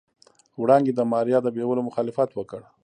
وړانګې د ماريا د بيولو مخالفت وکړ.